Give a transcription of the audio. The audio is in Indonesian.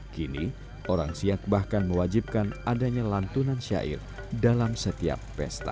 kini orang siak bahkan mewajibkan adanya lantunan syair dalam setiap pesta